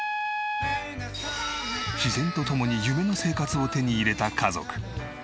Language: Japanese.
自然と共に夢の生活を手に入れた家族。